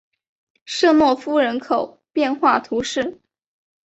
舍诺夫人口变化图示